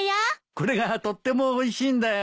これがとってもおいしいんだよ。